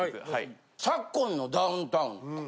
昨今のダウンタウン。